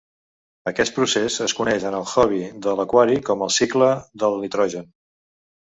Aquest procés es coneix en el hobby de l'aquari com el cicle del nitrogen.